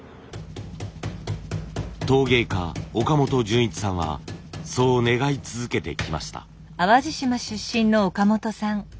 陶芸家岡本純一さんはそう願い続けてきました。